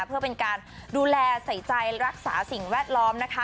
เพื่อเป็นการดูแลใส่ใจรักษาสิ่งแวดล้อมนะคะ